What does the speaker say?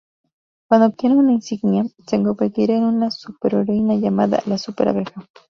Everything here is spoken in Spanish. Cuando obtiene una insignia, se convertirá en una superheroína llamada "la súper abeja".